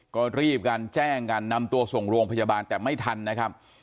ก็รีบกันแจ้งกันนำตัวส่งโรงพยาบาลแต่ไม่ทันนะครับ